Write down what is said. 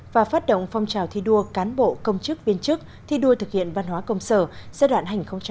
và phát động phong trào thi đua cán bộ công chức viên chức thi đua thực hiện văn hóa công sở giai đoạn hai nghìn hai mươi hai nghìn hai mươi năm